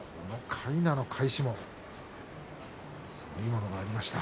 かいなの返しいいものがありました。